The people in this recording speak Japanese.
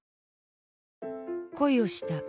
恋をした。